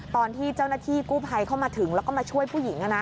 ตอนที่เจ้าหน้าที่กู้ภัยเข้ามาถึงแล้วก็มาช่วยผู้หญิง